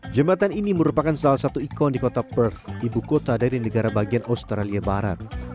jembatan ini merupakan salah satu ikon di kota perth ibu kota dari negara bagian australia barat